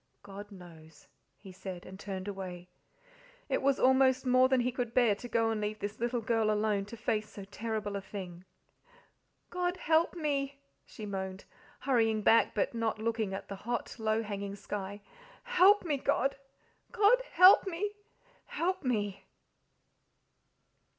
"God knows!" he said, and turned away. It was almost more than he could bear to go and leave this little girl alone to face so terrible a thing. "God help me!" she moaned, hurrying back, but not looking at the hot, low hanging sky. "Help me, God! God, help me, help me!"